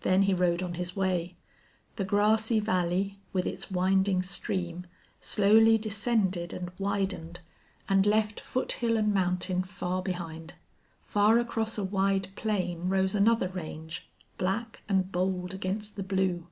Then he rode on his way. The grassy valley, with its winding stream, slowly descended and widened, and left foothill and mountain far behind. Far across a wide plain rose another range, black and bold against the blue.